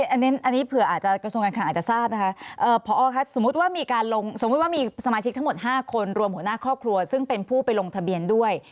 อันนี้เผื่ออาจจะกระทรวงการคลังอาจจะทราบนะคะพอค่ะสมมุติว่ามีการลงสมมุติว่ามีสมาชิกทั้งหมด๕คนรวมหัวหน้าครอบครัวซึ่งเป็นผู้ไปลงทะเบียนด้วย